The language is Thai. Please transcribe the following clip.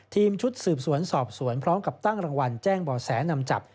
ทีมชุดสืบสวนสอบสวนพร้อมกับตั้งรางวัลแจ้งบ่อแสนำจับ